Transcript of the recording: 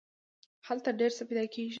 هلته هر څه پیدا کیږي.